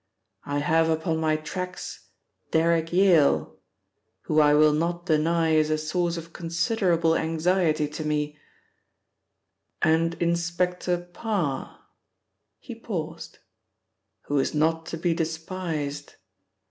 I have upon my tracks Derrick Yale, who I will not deny is a source of considerable anxiety to me, and Inspector Parr" he paused "who is not to be despised.